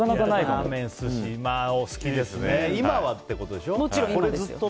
今はってことでしょ？